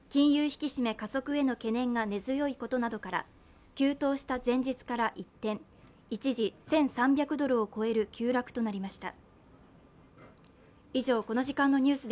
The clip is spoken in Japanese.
引き締め加速への懸念が根強いことなどから急騰した前日から一転、一時１３００ドルを超える急落となりました。